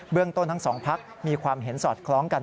เรื่องต้นทั้งสองพักมีความเห็นสอดคล้องกัน